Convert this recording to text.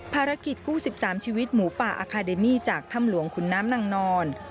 ภารกิจกู้๑๓ชีวิตหมูป่าอาคาเดมี่จากถ้ำหลวงขุนน้ำนางนอน